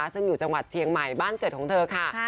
ซึ่งอยู่จังหวัดเชียงใหม่บ้านเกิดของเธอค่ะ